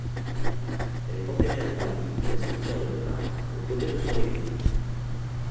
Elle est enterrée à Paris au cimetière de Montmartre au côté de son époux.